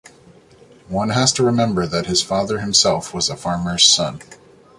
One has to remember that his father himself was a farmer's son.